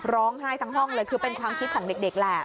ร้องไห้ทั้งห้องเลยคือเป็นความคิดของเด็กแหละ